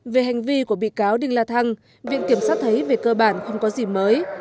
về hành vi của bị cáo đinh la thăng viện kiểm sát thấy về cơ bản không có gì mới